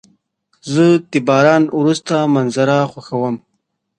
زه د باران وروسته منظره خوښوم.